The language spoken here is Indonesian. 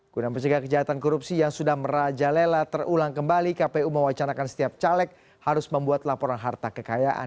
guna mencegah kejahatan korupsi yang sudah merajalela terulang kembali kpu mewacanakan setiap caleg harus membuat laporan harta kekayaan